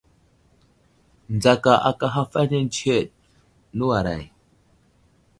Nzaka aka haf ane tsəheɗ, nəwuray !